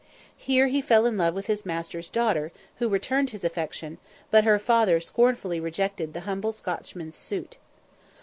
Here he fell in love with his master's daughter, who returned his affection, but her father scornfully rejected the humble Scotchman's suit.